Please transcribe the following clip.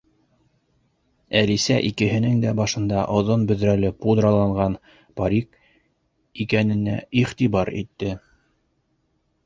Әлисә икеһенең дә башында оҙон бөҙрәле пуд- раланған парик икәненә иғтибар итте.